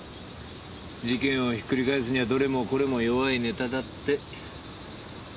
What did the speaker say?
事件をひっくり返すにはどれもこれも弱いネタだって。